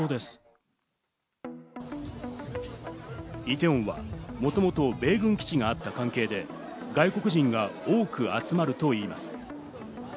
イテウォンはもともと米軍基地があった関係で、外国人が多く集まるといいます。